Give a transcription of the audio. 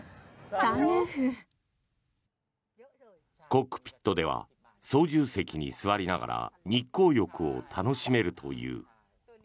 コックピットでは操縦席に座りながら日光浴を楽しめるという。